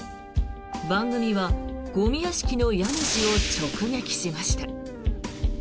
番組はゴミ屋敷の家主を直撃しました。